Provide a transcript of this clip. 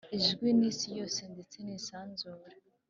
azwi n'isi yose ndetse nisanzure,